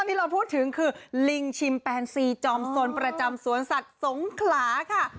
ที่เราพูดถึงคือลิงชิมแปนซีจอมสนประจำสวนสัตว์สงขลาค่ะ